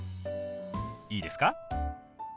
いいですか？